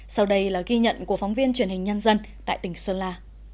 sau đây là ghi nhận của phóng viên truyền hình nhân dân tại tỉnh sơn la